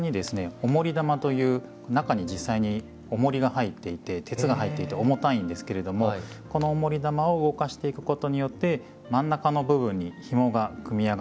おもり玉という中に実際におもりが入っていて鉄が入っていて重たいんですけれどもこのおもり玉を動かしていくことによって真ん中の部分にひもが組み上がっていきます。